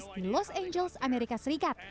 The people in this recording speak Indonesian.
di los angeles amerika serikat